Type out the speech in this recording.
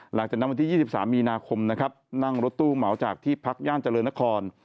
หลังจากนั้นวันที่๒๓มีนาคมนะครับนั่งรถตู้เหมาจากที่พักย่านเจริญนคร